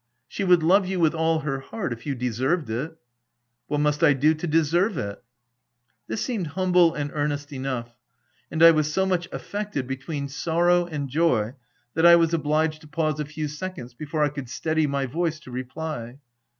" She would love you with all Tier heart, if you deserved it." "What must I do to deserve it ?" This seemed humble and earnest enough ; and I was so much affected, between sorrow and joy, that I was obliged to pause a few seconds before I could steady my voice to reply.